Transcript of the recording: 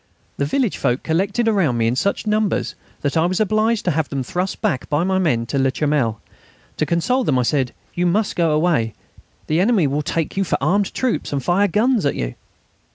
The village folk collected around me in such numbers that I was obliged to have them thrust back by my men to Le Charmel. To console them I said: "You must go away. The enemy will take you for armed troops and fire guns at you."